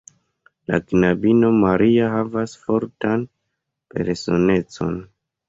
La knabino Maria havas fortan personecon.